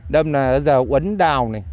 đâm là giờ quấn đào này